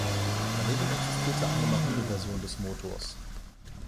Daneben existierte eine Marineversion des Motors.